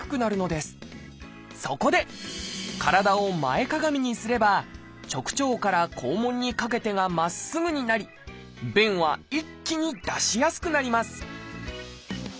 そこで体を前かがみにすれば直腸から肛門にかけてがまっすぐになり便は一気に出しやすくなります